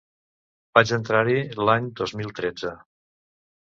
Vaig entrar-hi l’any dos mil tretze.